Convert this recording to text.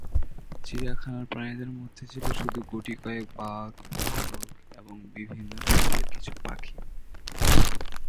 চিড়িয়াখানার প্রাণীদের মধ্যে ছিল শুধু গুটিকয়েক বাঘ, ভালুক এবং বিভিন্ন জাতের কিছু পাখি।